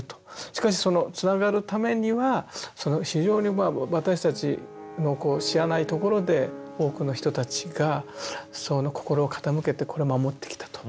しかしそのつながるためには非常に私たちの知らないところで多くの人たちがその心を傾けてこれを守ってきたと。